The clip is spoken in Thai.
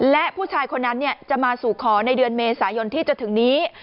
และผู้ชายคนนั้นจะมาสู่ขอในเดือนเมษายนที่จะถึงนี้